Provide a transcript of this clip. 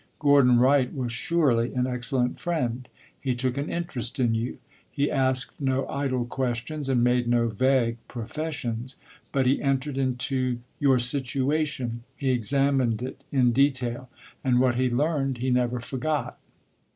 Gordon Wright was surely an excellent friend. He took an interest in you. He asked no idle questions and made no vague professions; but he entered into your situation, he examined it in detail, and what he learned he never forgot.